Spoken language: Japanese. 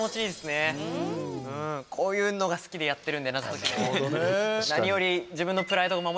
こういうのが好きでやってるんで、謎解き。